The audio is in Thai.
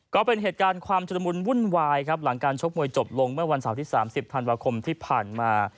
ก็เป็นเหตุการณ์ความชุดละมุนวุ่นวายครับหลังการชกมวยจบลงเมื่อวันเสาร์ที่๓๐ธันวาคมที่ผ่านมา